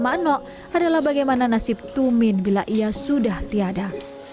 makno adalah bagaimana nasib tumin bila ia sudah tiada